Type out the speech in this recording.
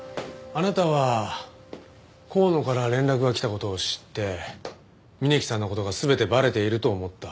あなたは香野から連絡が来た事を知って峯木さんの事が全てバレていると思った。